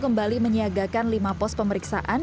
kembali menyiagakan lima pos pemeriksaan